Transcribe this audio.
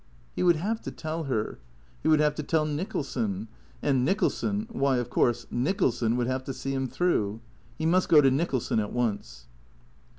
He would have to tell her. He would have to tell Nicholson. And Nicholson, why, of course, Nicholson would have to see him through. He must go to Nicholson at once.